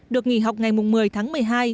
được nghỉ học ngày một mươi tháng một mươi hai